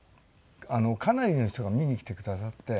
かなりの人が見に来てくださって。